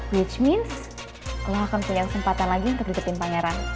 which means lo akan punya kesempatan lagi untuk diikuti pangeran